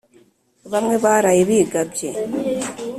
Bamwe baraye bigabye